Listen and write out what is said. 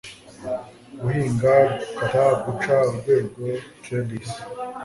guhinga, gukata, guca, urwego, trellis